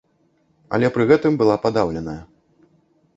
Але пры гэтым была падаўленая.